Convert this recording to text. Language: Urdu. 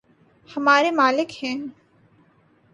ہمارے ملک میں